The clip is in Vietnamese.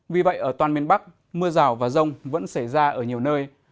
vì vậy ở toàn miền bắc mưa rào và rông vẫn xảy ra ở nhiều nơi